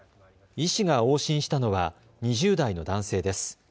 医師が往診したのは、２０代の男性です。